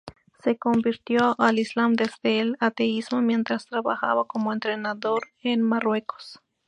Se convirtió al islam desde el ateísmo mientras trabajaba como entrenador en Marruecos.